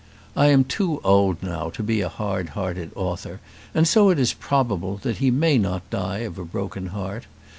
I am too old now to be a hard hearted author, and so it is probable that he may not die of a broken heart.